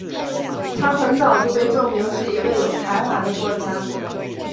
她很早就被证明是一位有才华的画家。